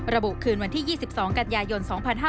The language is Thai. คืนวันที่๒๒กันยายน๒๕๕๙